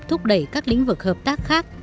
thúc đẩy các lĩnh vực hợp tác khác